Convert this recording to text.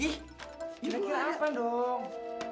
ih kira kira apa dong